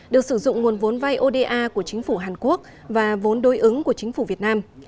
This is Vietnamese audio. được sử dụng nguồn vốn vay oda của chính phủ hàn quốc và vốn đối ứng của chính phủ việt nam